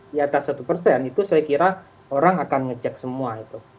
di atas satu persen itu saya kira orang akan ngecek semua itu